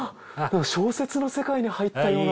小説の世界に入ったような。